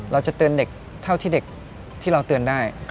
เราจะเตือนเด็กเท่าที่เด็กที่เราเตือนได้